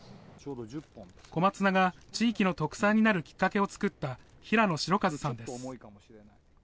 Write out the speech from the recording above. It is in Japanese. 小松菜が地域の特産になるきっかけを作った平野代一さんです。